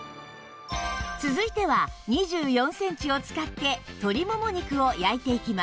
続いては２４センチを使って鶏もも肉を焼いていきます